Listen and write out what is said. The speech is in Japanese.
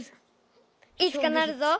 いつかなるぞ。